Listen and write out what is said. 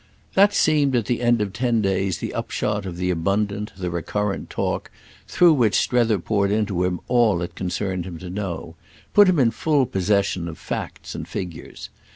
That seemed at the end of ten days the upshot of the abundant, the recurrent talk through which Strether poured into him all it concerned him to know, put him in full possession of facts and figures.